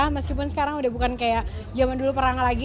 meskipun sekarang udah bukan kayak zaman dulu perang lagi